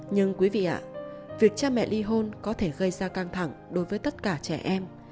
nhưng quý vị ạ việc cha mẹ ly hôn có thể gây ra căng thẳng đối với tất cả trẻ em